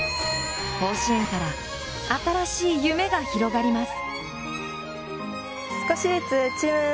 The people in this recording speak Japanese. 甲子園から、新しい夢が広がります！